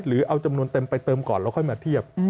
หรือเอาจำนวนเต็มไปเติมก่อนแล้วค่อยมาเทียบ